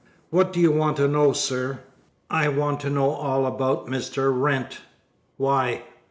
"What do you want to know, sir?" "I want to know all about Mr. Wrent." "Why?"